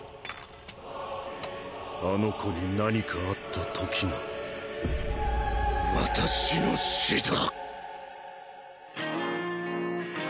あの子に何かあった時が私の死だ！！